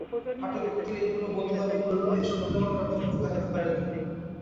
আটক ব্যক্তিরা এগুলো বৈধ দাবি করলেও এ-সংক্রান্ত কোনো কাগজপত্র দেখাতে পারেনি।